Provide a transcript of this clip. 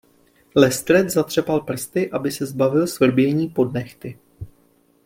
Lestred zatřepal prsty aby se zbavil svrbění pod nehty.